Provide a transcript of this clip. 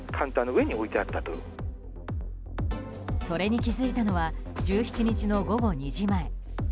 それに気づいたのは１７日の午後２時前。